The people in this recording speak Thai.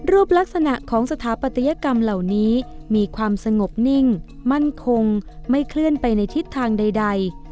ลักษณะของสถาปัตยกรรมเหล่านี้มีความสงบนิ่งมั่นคงไม่เคลื่อนไปในทิศทางใด